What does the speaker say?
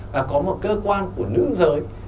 và có một cơ quan của nữ giới